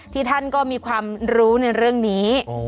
ที่ท่านก็มีความรู้ในเรื่องนี้